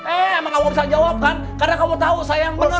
eh emang kamu bisa jawab kan karena kamu tahu sayang bener